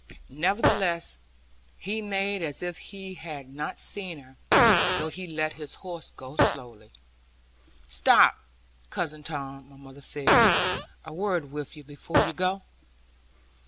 Nevertheless, he made as if he had not seen her, though he let his horse go slowly. 'Stop, Cousin Tom,' my mother said, 'a word with you, before you go.'